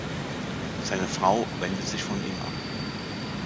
Seine Frau wendet sich von ihm ab.